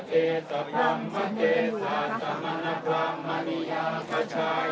มีผู้ที่ได้รับบาดเจ็บและถูกนำตัวส่งโรงพยาบาลเป็นผู้หญิงวัยกลางคน